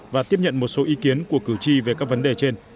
và tiếp nhận một số ý kiến của cử tri về các vấn đề trên